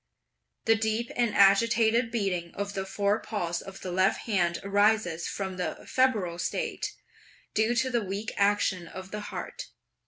The deep and agitated beating of the forepulse of the left hand arises from the febrile state, due to the weak action of the heart.